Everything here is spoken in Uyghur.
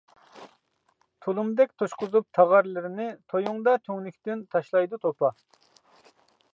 تۇلۇمدەك توشقۇزۇپ تاغارلىرىنى، تويۇڭدا تۈڭلۈكتىن تاشلايدۇ توپا.